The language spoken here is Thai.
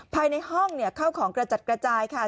ภายในห้องเข้าของกระจัดกระจายค่ะ